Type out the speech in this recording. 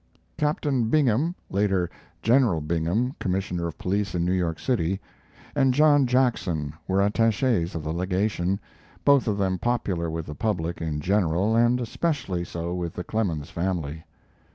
Captain Bingham (later General Bingham, Commissioner of Police in New York City) and John Jackson were attaches of the legation, both of them popular with the public in general, and especially so with the Clemens family.